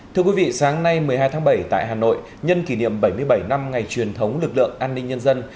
thưa quý vị sáng nay một mươi hai tháng bảy tại hà nội nhân kỷ niệm bảy mươi bảy năm ngày truyền thống lực lượng an ninh nhân dân